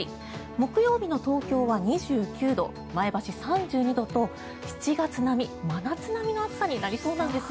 木曜日の東京は２９度前橋、３２度と７月並み、真夏並みの暑さになりそうなんです。